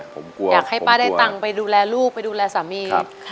ผมอยากให้ป้าได้ตังค์ไปดูแลลูกไปดูแลสามี